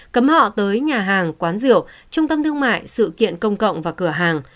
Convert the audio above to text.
cấm họ tới nhà hàng quán rượu trung tâm thương mại sự kiện công cộng và cửa hàng